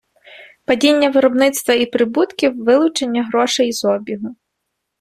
Падіння виробництва і прибутків - вилучення грошей з обігу.